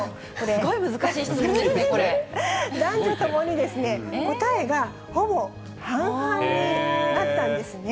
すごい難しい質問ですね、男女ともにですね、答えがほぼ半々になったんですね。